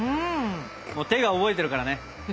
もう手が覚えてるからね！